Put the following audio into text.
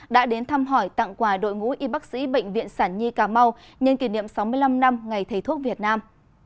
đã đến thăm hỏi tặng quà đội ngũ y bác sĩ bệnh viện sản nhi cà mau nhân kỷ niệm sáu mươi năm năm ngày thầy thuốc việt nam